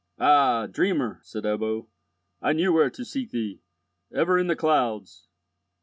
"Ah, dreamer!" said Ebbo, "I knew where to seek thee! Ever in the clouds!"